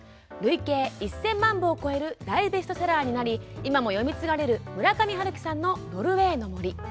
累計１０００万部を超える大ベストセラーになり今も読み継がれる村上春樹さんの「ノルウェイの森」。